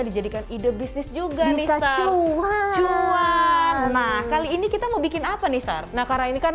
dijadikan ide bisnis juga nih cuan nah kali ini kita mau bikin apa nih sar nah karena ini kan